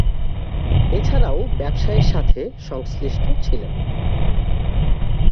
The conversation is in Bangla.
এছাড়াও ব্যবসায়ের সাথে সংশ্লিষ্ট ছিলেন।